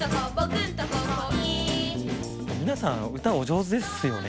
皆さん歌お上手ですよね